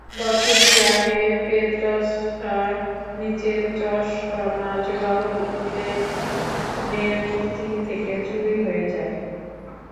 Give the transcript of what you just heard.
বছর দুই আগে পেদ্রাসার নিজের চশমাজোড়াও লেননের মূর্তি থেকে চুরি হয়ে যায়।